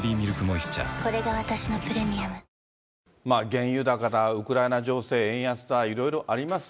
原油高だ、ウクライナ情勢、円安だ、いろいろあります。